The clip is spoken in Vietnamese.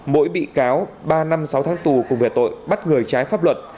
mỗi bị cáo ba năm sáu tháng tù cùng về tội bắt người trái pháp luật